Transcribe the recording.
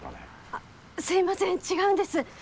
あすいません違うんです。